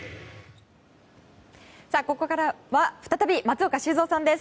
ここからは再び松岡修造さんです。